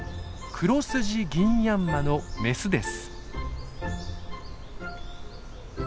クロスジギンヤンマのオスです。